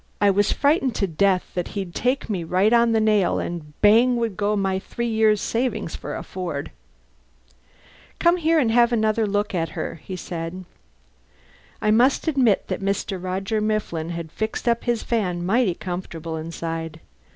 (I was frightened to death that he'd take me right on the nail and bang would go my three years' savings for a Ford.) "Come and have another look at her," he said. I must admit that Mr. Roger Mifflin had fixed up his van mighty comfortably inside.